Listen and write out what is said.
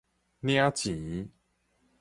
領錢